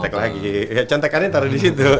nyontek lagi ya contekannya taruh disitu